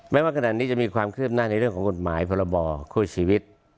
ว่าขนาดนี้จะมีความคืบหน้าในเรื่องของกฎหมายพรบคู่ชีวิต